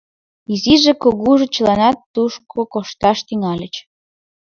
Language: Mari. Изиже, кугужо — чыланат тушко кошташ тӱҥальыч.